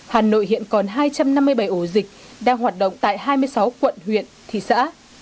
hà nội hiện còn hai trăm năm mươi bảy ổ dịch đang hoạt động tại hai mươi sáu quận huyện thị xã